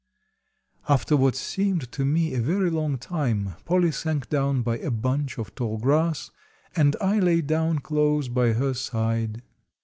After what seemed to me a very long time, Polly sank down by a bunch of tall grass, and I lay down close by her side.